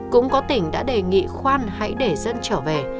cũng có tỉnh đã đề nghị khoan hãy để dân trở về